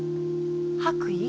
白衣？